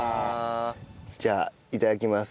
じゃあいただきます。